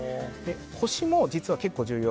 腰も実は結構重要。